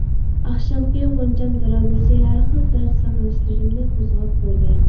ئاخشامقى غۇنچەم دىرامىسى ھەر خىل دەرد، سېغىنىشلىرىمنى قوزغاپ قويدى.